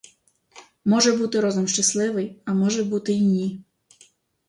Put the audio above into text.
Може бути розум щасливий, а може бути й ні.